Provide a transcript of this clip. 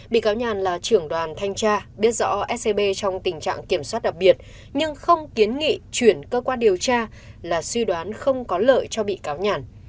bị cáo nhàn là trưởng đoàn thanh tra biết rõ scb trong tình trạng kiểm soát đặc biệt nhưng không kiến nghị chuyển cơ quan điều tra là suy đoán không có lợi cho bị cáo nhàn